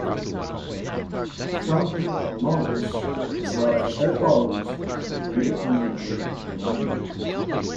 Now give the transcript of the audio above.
Framta and Maldras, as well as their followers, acted independently of one another.